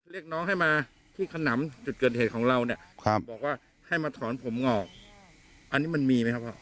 เรียกน้องให้มาที่ขนำจุดเกิดเหตุของเราเนี่ยบอกว่าให้มาถอนผมออกอันนี้มันมีไหมครับพ่อ